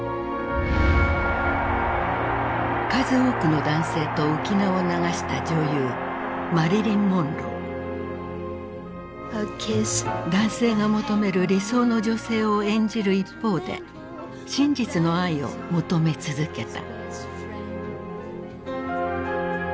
数多くの男性と浮き名を流した女優男性が求める理想の女性を演じる一方で真実の愛を求め続けた。